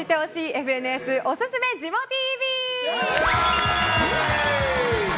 ＦＮＳおすすめジモＴＶ。